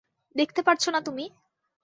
দেখতে পারছো না তুমি?